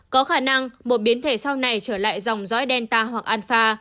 có khả năng một biến thể sau này trở lại dòng gió delta hoặc alpha